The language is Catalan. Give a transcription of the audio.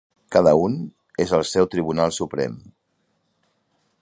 Cada un és el seu tribunal suprem.